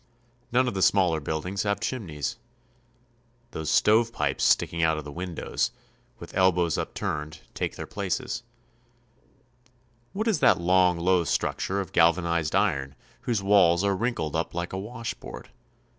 None of the smaller buildings have chimneys. Those stovepipes sticking out of the windows, with elbows upturned, take their places. Police Station, Punta Arenas. What is that long, low structure of galvanized iron whose walls are wrinkled up like a washboard?